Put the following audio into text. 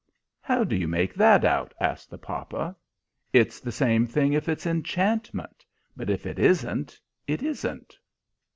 "How do you make that out?" asked the papa. "It's the same thing if it's enchantment. But if it isn't, it isn't."